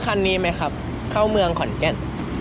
คันนี้ไหมครับเข้าเมืองขอนแก่น